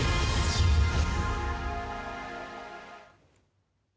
โปรดติดตามตอนต่อไป